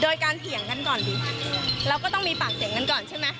โดยการเถียงกันก่อนดิแล้วก็ต้องมีปากเสียงกันก่อนใช่ไหม